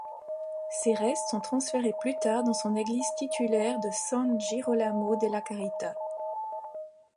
Ses restes sont transférés plus tard dans son église titulaire de San-Girolamo della Carità.